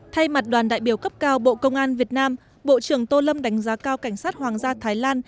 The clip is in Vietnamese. thay mặt đoàn đại biểu cấp cao bộ công an việt nam bộ trưởng tô lâm đánh giá cao cảnh sát hoàng gia thái lan